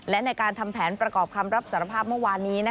และในการทำแผนประกอบคำรับสารภาพเมื่อวานนี้